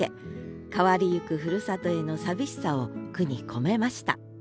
変わりゆくふるさとへの寂しさを句に込めました